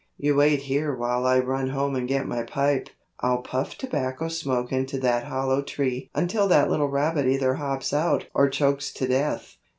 "You wait here while I run home and get my pipe. I'll puff tobacco smoke into that hollow tree until that little rabbit either hops out or chokes to death."